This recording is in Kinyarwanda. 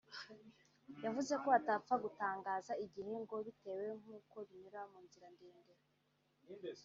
yavuze ko atapfa gutangaza igihe ngo bitewe n’uko binyura mu nzira ndende